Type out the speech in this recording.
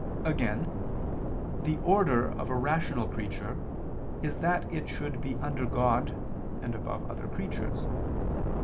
Again, the order of a rational creature is that it should be under God and above other creatures.